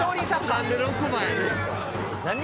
何？